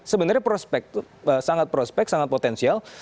sebenarnya prospek itu sangat prospek sangat potensial